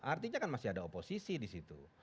artinya kan masih ada oposisi di situ